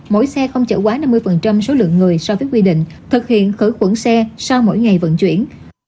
mỗi xe không chở quá năm mươi số lượng người so với quy định thực hiện khử khuẩn xe sau mỗi ngày vận chuyển